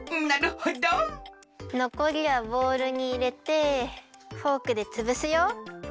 のこりはボウルにいれてフォークでつぶすよ。